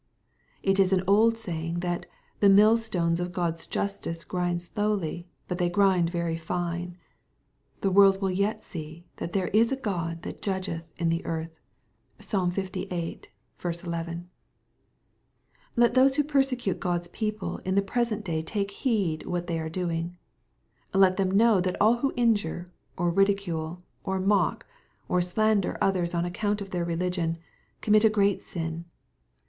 It is an old saying, that " the mill stones of God's justice grind slowly, but they grind very fine.'* The world will yet see that " there is a God thatjudgeth in the earth. (Psalm Iviii. 11.) Let those who persecute God's people in the present day take heed what they are doing. Let them know that all who injure, or ridicule, or mock, or slander others on account of their religion, commit a great sin.